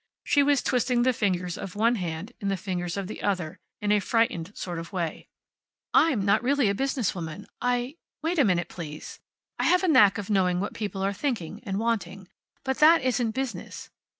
She was twisting the fingers of one hand in the fingers of the other, in a frightened sort of way. "I'm not really a business woman. I wait a minute, please I have a knack of knowing what people are thinking and wanting. But that isn't business."